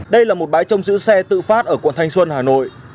đây là một bãi trông giữ xe tự phát ở quận thanh xuân hà nội